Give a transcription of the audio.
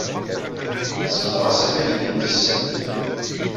Zegleɣ asafag-nni n tis snat.